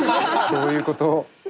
そういうこと。